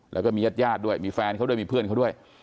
แล้วก็มีญาติญาติด้วยมีแฟนเขาด้วยมีเพื่อนเขาด้วย